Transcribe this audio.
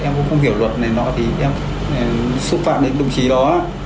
em cũng không hiểu luật này nọ thì em xúc phạm đến đồng chí đó